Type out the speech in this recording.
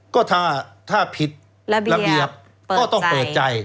ก็ถ้าผิดระเบียบก็ต้องเปิดใจ